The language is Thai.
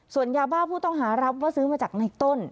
ส่วนยาบ้าผู้ต้องหารับว่าซื้อมาจากในต้น